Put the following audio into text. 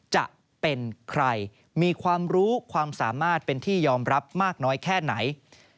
จะเป็นใครมีความรู้ความสามารถเป็นที่ยอมรับมากน้อยแค่ไหน